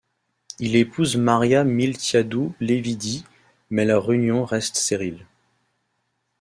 Il épouse María Miltiádou Levídis, mais leur union reste stérile.